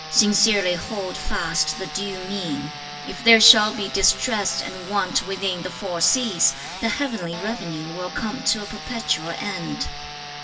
Sincerely hold fast the due Mean. If there shall be distress and want within the four seas, the Heavenly revenue will come to a perpetual end.'